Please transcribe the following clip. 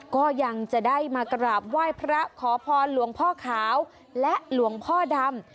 ก็ยังจะได้มากราบไหว้พระขอพรหลวงพ่อขาวและหลวงพ่อดำ